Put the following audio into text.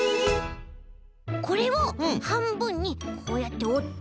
これをはんぶんにこうやっておって。